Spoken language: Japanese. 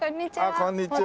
こんにちは。